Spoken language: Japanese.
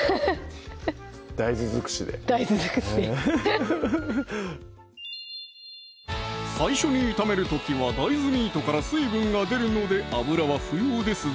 大豆尽くしで大豆尽くしで最初に炒める時は大豆ミートから水分が出るので油は不要ですぞ！